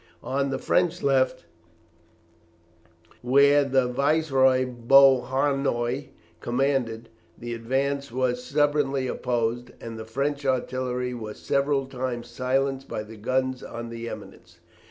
On the French left, where the Viceroy Beauharnois commanded, the advance was stubbornly opposed, and the French artillery was several times silenced by the guns on the eminence.